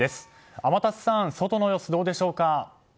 天達さん、外の様子どうでしょうか？